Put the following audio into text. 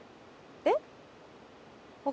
えっ？